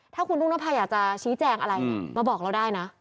ถ้าคุณรุ่งนภาอยากจะชี้แจงอะไรมาบอกเราได้นะ